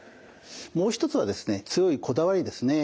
もう一つはですね強いこだわりですね。